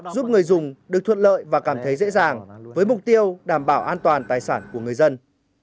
giúp người dùng được thuận lợi và cảm thấy dễ dàng với mục tiêu đảm bảo an toàn tài sản của người dân